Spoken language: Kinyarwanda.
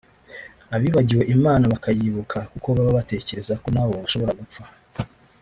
abibagiwe Imana bakayibuka kuko baba batekereza ko nabo bashobora gupfa